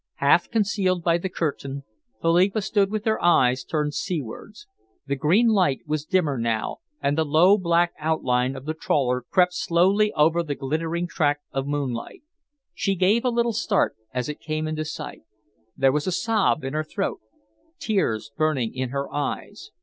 Half concealed by the curtain, Philippa stood with her eyes turned seawards. The green light was dimmer now, and the low, black outline of the trawler crept slowly over the glittering track of moonlight. She gave a little start as it came into sight. There was a sob in her throat, tears burning in her eyes.